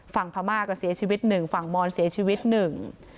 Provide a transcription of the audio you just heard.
พม่าก็เสียชีวิตหนึ่งฝั่งมอนเสียชีวิตหนึ่ง